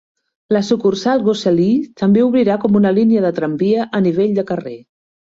La sucursal Gosselies també obrirà com una línia de tramvia a nivell de carrer.